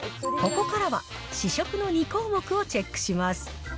ここからは試食の２項目をチェックします。